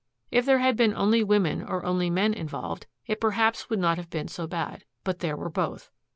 If there had been only women or only men involved, it perhaps would not have been so bad. But there were both.